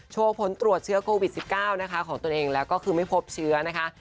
ผลตรวจเชื้อโควิด๑๙นะคะของตนเองแล้วก็คือไม่พบเชื้อนะคะ